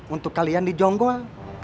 untuk kalian di jonggol